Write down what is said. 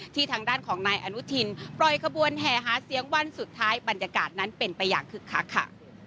ทางด้านของนายอนุทินปล่อยขบวนแห่หาเสียงวันสุดท้ายบรรยากาศนั้นเป็นไปอย่างคึกคักค่ะ